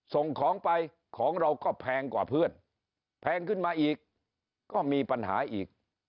ส่งของไปของเราก็แพงกว่าเพื่อนแพงขึ้นมาอีกก็มีปัญหาอีก